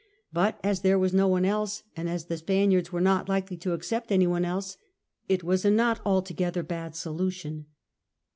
But as there was no one else, and as the Spaniards were not likely to accept any one else, it was a not altogether bad solution.